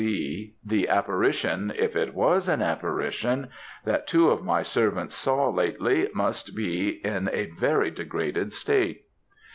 C., "the apparition if it was an apparition that two of my servants saw lately, must be in a very degraded state.